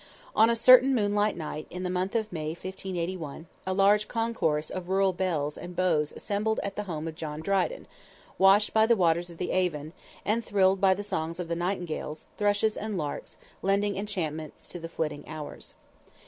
On a certain moonlight night, in the month of May, 1581, a large concourse of rural belles and beaux assembled at the home of John Dryden, washed by the waters of the Avon, and thrilled by the songs of the nightingales, thrushes and larks lending enchantment to the flitting hours.